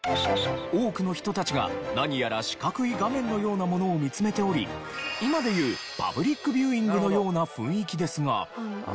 多くの人たちが何やら四角い画面のようなものを見つめており今で言うパブリックビューイングのような雰囲気ですが。